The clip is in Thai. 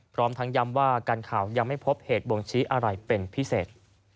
พร้อมทั้งย้ำว่าการข่าวยังไม่พบเหตุบ่งชี้อะไรเป็นพิเศษ